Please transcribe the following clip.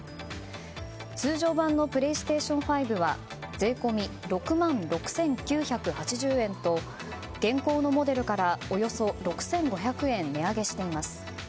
通常版のＰｌａｙＳｔａｔｉｏｎ５は税込６万６９８０円と現行のモデルからおよそ６５００円値上げしています。